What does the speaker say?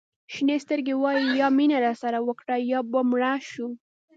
شینې سترګې وایي یا مینه راسره وکړه یا به مړه شو.